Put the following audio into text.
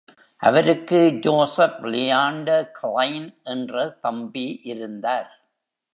அவருக்கு Joseph Leander Klein என்ற தம்பி இருந்தார்.